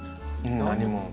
何も。